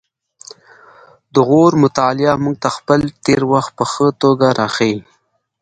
د غور مطالعه موږ ته خپل تیر وخت په ښه توګه راښيي